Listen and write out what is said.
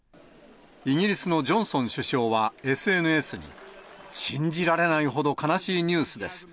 イギリスのジョンソン首相はＳＮＳに、信じられないほど悲しいニュースです。